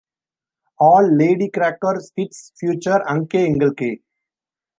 All Ladykracher skits feature Anke Engelke.